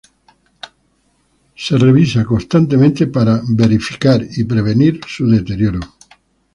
Es revisado constantemente para verificar y prevenir su deterioro.